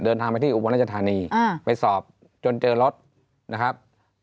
เดินทางไปที่อุบลราชธานีไปสอบจนเจอรถนะครับ